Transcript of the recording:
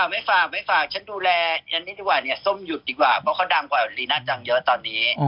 ไม่ฝากฉันดูแลส้มหยุดดีกว่าเพราะเขาดังกว่ารีน่าจังเยอะตอนนี้